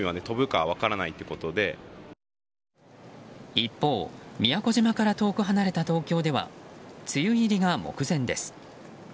一方宮古島から遠く離れた東京では梅雨入りが目前です。